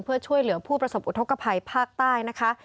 เพื่อช่วยเหลือผู้ประสบอุทธกภัยภาคใต้นะคะ